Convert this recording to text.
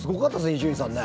伊集院さんね。